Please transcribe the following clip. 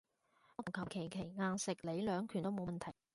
我求求其其硬食你兩拳都冇問題